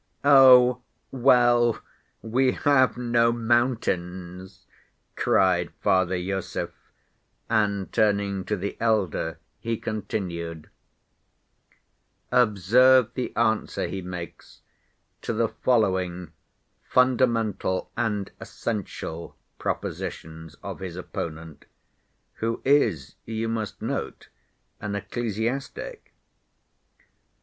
"Oh, well, we have no mountains," cried Father Iosif, and turning to the elder he continued: "Observe the answer he makes to the following 'fundamental and essential' propositions of his opponent, who is, you must note, an ecclesiastic.